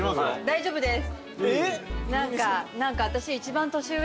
大丈夫です。